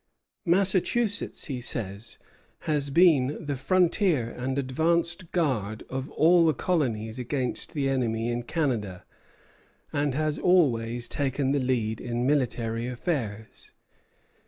Massachusetts, he says, "has been the frontier and advanced guard of all the colonies against the enemy in Canada," and has always taken the lead in military affairs.